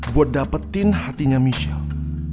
buat dapetin hatinya michelle